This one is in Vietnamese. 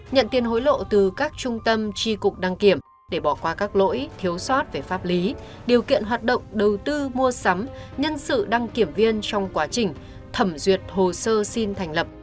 nhận tiền hối lộ từ các trung tâm tri cục đăng kiểm để bỏ qua các lỗi thiếu sót về pháp lý điều kiện hoạt động đầu tư mua sắm nhân sự đăng kiểm viên trong quá trình thẩm duyệt hồ sơ xin thành lập